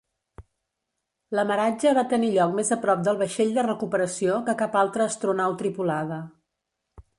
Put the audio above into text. L'amaratge va tenir lloc més a prop del vaixell de recuperació que cap altre astronau tripulada.